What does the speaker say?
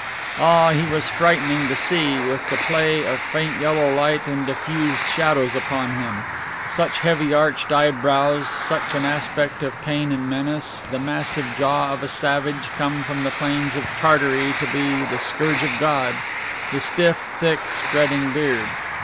Ah, he was frightening to see, with the play of faint yellow light and diffused shadows upon him. Such heavy arched eyebrows, such an aspect of pain and menace, the massive jaw of a savage come from the plains of Tartary to be the Scourge of God, the stiff, thick, spreading beard.